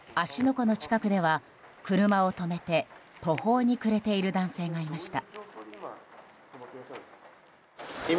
湖の近くでは、車を止めて途方に暮れている男性がいました。